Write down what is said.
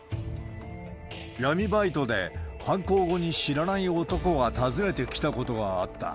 闇バイトで犯行後に知らない男が訪ねてきたことがあった。